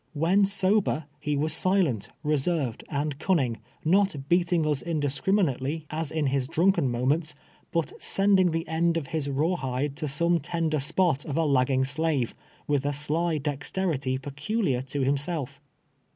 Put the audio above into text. "When sober, he was silent, reserved and cunning, not beating us in discriminately, as in his drunken moments, but send ing the end of his rawhide to some tender spot of a lagging slave, with a sly dexterity peculiar to himself.